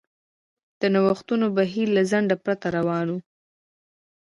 د نوښتونو بهیر له ځنډ پرته روان و.